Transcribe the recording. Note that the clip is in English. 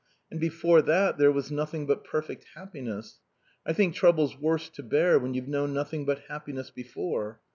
And before that there was nothing but perfect happiness. I think trouble's worse to bear when you've known nothing but happiness before....